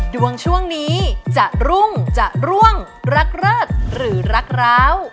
ดวงช่วงนี้จะรุ่งจะร่วงรักเลิกหรือรักร้าว